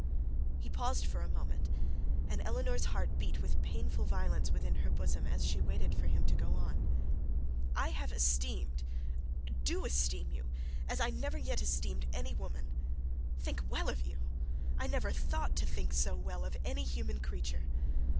He paused for a moment, and Eleanor's heart beat with painful violence within her bosom as she waited for him to go on. 'I have esteemed, do esteem you, as I never esteemed any woman. Think well of you! I never thought to think so well, so much of any human creature.